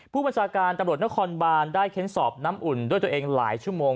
ผู้บัญชาการตำรวจนครบานได้เค้นสอบน้ำอุ่นด้วยตัวเองหลายชั่วโมง